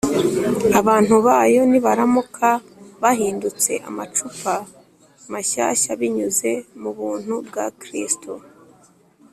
abantu bayo nibaramuka bahindutse amacupa mashyashya binyuze mu buntu bwa kristo